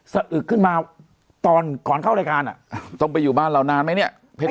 อึกขึ้นมาตอนก่อนเข้ารายการอ่ะต้องไปอยู่บ้านเรานานไหมเนี่ย